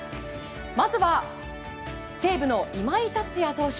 まずは西武の今井達也投手。